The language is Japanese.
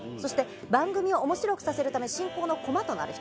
番組を面白くさせるため進行の駒となる人。